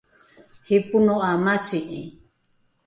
ripono ’a masi’i